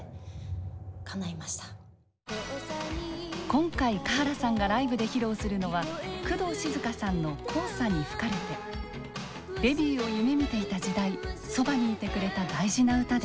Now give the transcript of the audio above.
今回華原さんがライブで披露するのは工藤静香さんの「黄砂に吹かれて」。デビューを夢みていた時代そばにいてくれた大事な歌です。